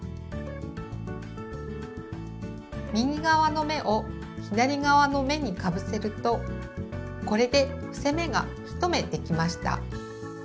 右側の目を左側の目にかぶせるとこれで伏せ目が１目できました。